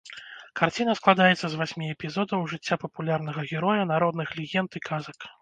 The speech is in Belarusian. Карціна складаецца з васьмі эпізодаў жыцця папулярнага героя народных легенд і казак.